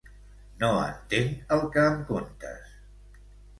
No entenc el que em contes.